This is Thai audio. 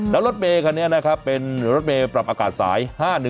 แล้วรถเมย์คันนี้นะครับเป็นรถเมย์ปรับอากาศสาย๕๑